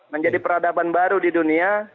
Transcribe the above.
menjadi peradaban baru di dunia